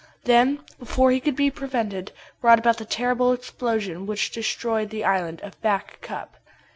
Then, before he could be prevented, brought about the terrible explosion which destroyed the island of Back Cup.